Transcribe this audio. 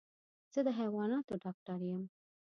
زه د حيواناتو ډاکټر يم.